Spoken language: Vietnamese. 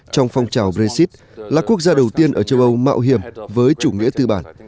trong phong trào brexit là quốc gia đầu tiên ở châu âu mạo hiểm với chủ nghĩa tư bản